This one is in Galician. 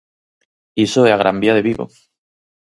Iso é a Gran Vía de Vigo.